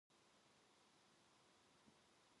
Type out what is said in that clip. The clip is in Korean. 선비는 너무 놀란 것이 무안하여 얼굴이 빨개졌다.